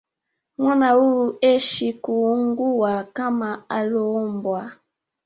Mwana huyu heshi kuuguwa kama aloombwa